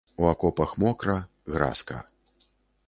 У акопах мокра, гразка.